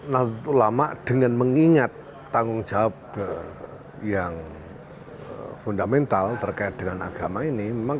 nah ulama dengan mengingat tanggung jawab yang fundamental terkait dengan agama ini memang